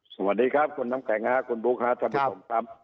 สวัสดีครับคุณน้ำแข็งคุณบุ๊คท่านผู้ชมครับ